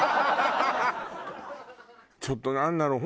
ちょっとなんだろう